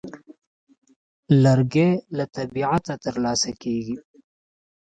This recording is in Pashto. لرګی له طبیعته ترلاسه کېږي.